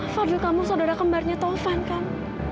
fadil kamu saudara kembarnya taufan kan